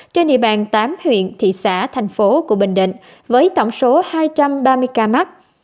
trên địa bàn tám huyện thị xã thành phố của bình định với tổng số hai trăm ba mươi ca mắc